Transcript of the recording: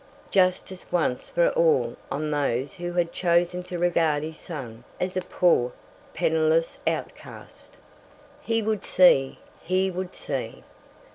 Justice once for all on those who had chosen to regard his son as a poor, penniless outcast. He would see, he would see!